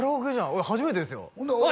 俺初めてですよあ